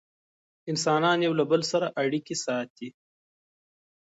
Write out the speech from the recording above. انسانان یو له بل سره اړیکې ساتي.